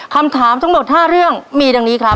คำถามทั้งหมด๕เรื่องมีดังนี้ครับ